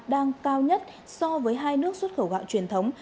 đang cao nhất so với hai nước xuất khẩu gạo truyền thống